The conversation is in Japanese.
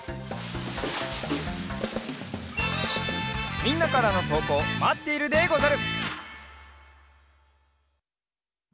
みんなからのとうこうまっているでござる！